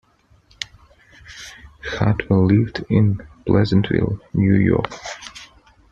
Hartwell lived in Pleasantville, New York.